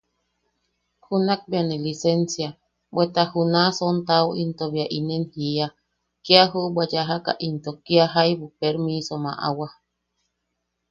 Junak bea ne lisensia, bweta junaʼa sontao into bea inen jiia: –Kia juʼubwa yajaka into kia jaibu permisom aʼawa.